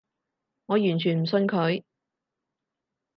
我完全唔信佢